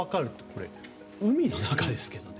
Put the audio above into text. これ、海の中ですけどね。